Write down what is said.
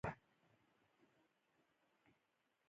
افغانان په ساختماني چارو کې کار کوي.